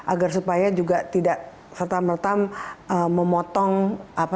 agar supaya juga tidak serta merta memotong kegiatan itu semena mena ya